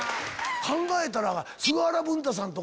考えたら。